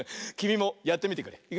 きみもやってみてくれ。